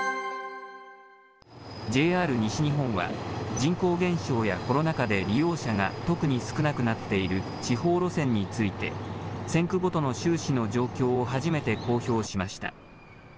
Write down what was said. ＪＲ西日本は、人口減少やコロナ禍で利用者が特に少なくなっている地方路線について、線区ごとの収支の状況を初めて公表しました。